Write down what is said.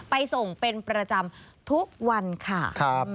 ไปส่งเป็นประจำทุกวันค่ะ